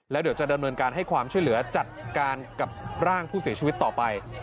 แล้วเดี๋ยวจะดำเนินการให้ความช่วยเหลือจัดการกับร่างผู้เสียชีวิตต่อไป